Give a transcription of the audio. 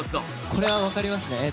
これは分かりますね。